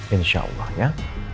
insya allah ya